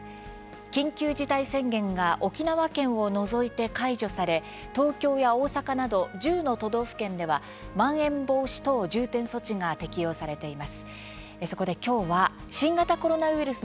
緊急事態宣言が沖縄県を除いて解除され東京や大阪など１０の都道府県ではまん延防止等重点措置が適用されています。